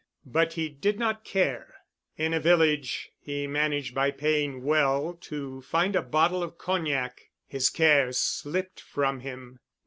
But he did not care. In a village he managed by paying well to find a bottle of cognac. His cares slipped from him.